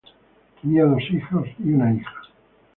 Tenía dos hijos y una hija.